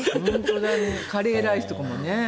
カレーライスとかもね。